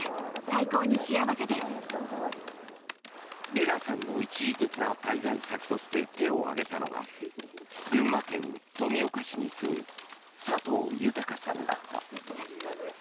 レナさんの一時的な滞在先として手を挙げたのが群馬県富岡市に住む佐藤裕さんだった。